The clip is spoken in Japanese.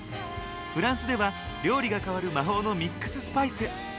フランスでは、料理が変わる魔法のミックススパイス。